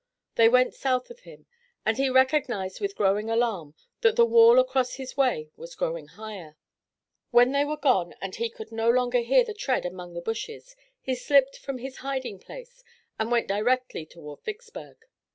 They went south of him, and he recognized with growing alarm that the wall across his way was growing higher. When they were gone and he could no longer hear their tread among the bushes he slipped from his hiding place and went directly toward Vicksburg.